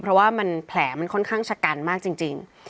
เพราะว่ามันแผลมันค่อนข้างชะกันมากจริง